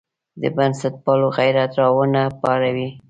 د بنسټپالو غیرت راونه پاروي.